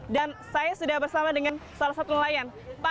saya sudah bersama dengan salah satu nelayan